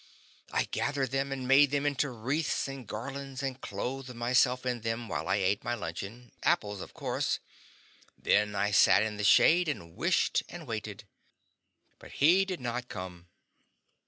I gathered them, and made them into wreaths and garlands and clothed myself in them while I ate my luncheon apples, of course; then I sat in the shade and wished and waited. But he did not come.